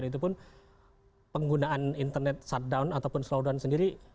itu pun penggunaan internet shutdown ataupun slowdown sendiri